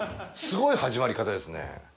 すごい始まり方ですね。